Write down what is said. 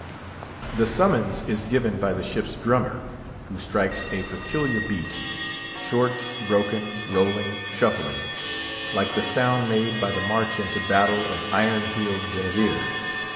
The summons is given by the ship's drummer, who strikes a peculiar beat—short, broken, rolling, shuffling—like the sound made by the march into battle of iron heeled grenadiers.